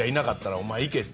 お前行けと。